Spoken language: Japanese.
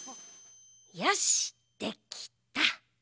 よしっできた！